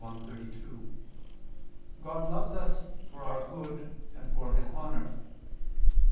i, 32), God loves us for our good and for His honor.